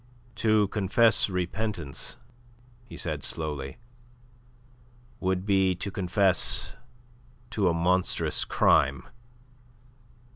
"To confess repentance," he said slowly, "would be to confess to a monstrous crime.